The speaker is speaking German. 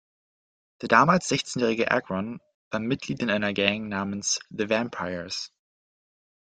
Der damals sechzehnjährige Agron war Mitglied in einer Gang namens „The Vampires“.